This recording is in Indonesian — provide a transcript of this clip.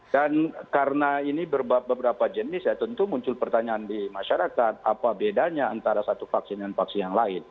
dan karena ini beberapa jenis ya tentu muncul pertanyaan di masyarakat apa bedanya antara satu vaksin dan vaksin yang lain